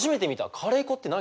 カレー粉って何？